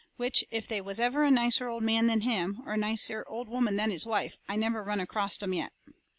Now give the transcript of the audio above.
Which if they was ever a nicer old man than him, or a nicer old woman than his wife, I never run acrost 'em yet.